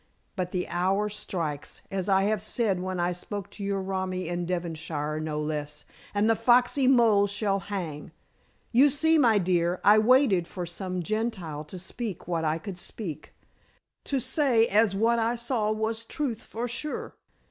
But the hour strikes, as I said when I spoke to your romi in Devonshire no less, and the foxy moll shall hang. You see, my dear, I waited for some Gentile to speak what I could speak, to say as what I saw was truth for sure.